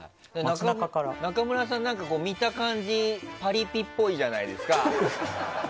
中村さんは見た感じパリピっぽいじゃないですか。